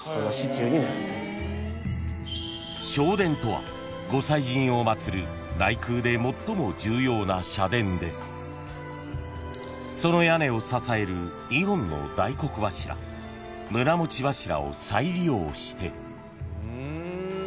［正殿とはご祭神を祭る内宮で最も重要な社殿でその屋根を支える２本の大黒柱棟持柱を再利用して］